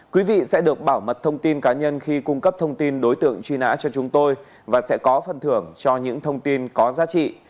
quý vị sẽ được bảo mật thông tin cá nhân khi cung cấp thông tin đối tượng truy nã cho chúng tôi và sẽ có phần thưởng cho những thông tin có giá trị